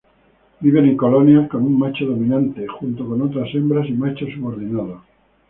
Viven en colonias con un macho dominante, junto con otras hembras y machos subordinados.